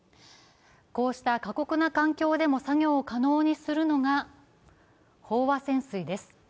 こうした過酷な環境でも作業を可能にするのが飽和潜水です。